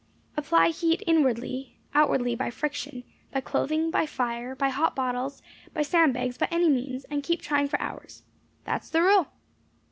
Apply heat inwardly outwardly by friction, by clothing, by fire, by hot bottles, by sand bags, by any means, and keep trying for hours.' That is the rule."